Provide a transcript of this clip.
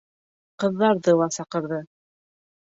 Ҡыҙҙарҙы ла саҡырҙы.